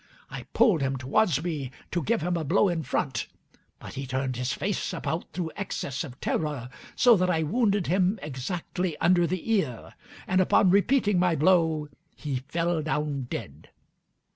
I pulled him towards me to give him a blow in front, but he turned his face about through excess of terror, so that I wounded him exactly under the ear; and upon repeating my blow, he fell down dead.